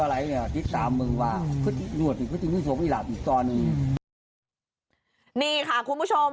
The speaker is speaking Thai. เออนึกว่า๓๕เมื่อกี้ได้ยินว่า๓๕นะคุณผู้ชม